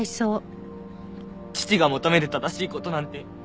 父が求める正しい事なんて